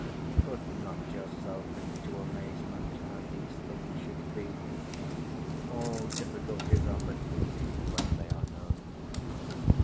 Put not yourself into amazement how these things should be: all difficulties are but easy when they are known.